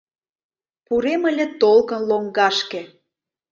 Пурем ыле толкын лоҥгашке.